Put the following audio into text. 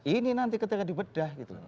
ini nanti ketika dibedah